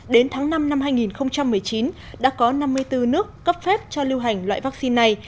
đến tháng năm năm hai nghìn một mươi chín đã có năm mươi bốn nước cấp phép cho lưu hành loại vaccine này